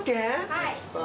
はい。